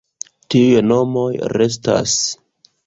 Tiuj nomoj restas.